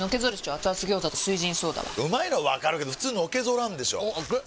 アツアツ餃子と「翠ジンソーダ」はうまいのはわかるけどフツーのけぞらんでしょアツ！